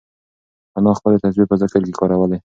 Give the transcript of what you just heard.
انا خپلې تسبیح په ذکر کې کارولې.